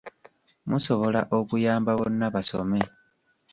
Musobola okuyamba `Bonna Basome'